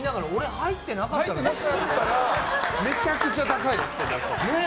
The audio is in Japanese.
入ってなかったらめちゃくちゃダサいです。